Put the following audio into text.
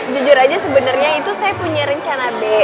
jujur aja sebenarnya itu saya punya rencana b